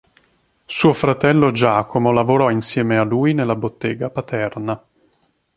Suo fratello Giacomo lavorò insieme a lui nella bottega paterna.